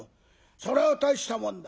それは大したもんだ。